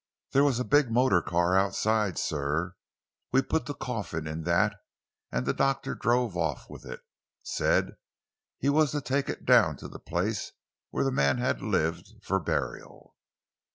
"There was a big motor car outside, sir. We put the coffin in that and the doctor drove off with it said he was to take it down to the place where the man had lived, for burial."